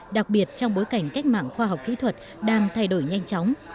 đặc biệt trong bối cảnh cách mạng khoa học kỹ thuật đang thay đổi nhanh chóng